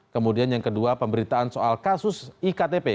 kemudian yang kedua pemberitaan soal kasus iktp